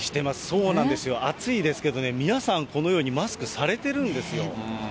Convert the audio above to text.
そうなんですよ、暑いですけどね、皆さん、このようにマスクされてるんですよ。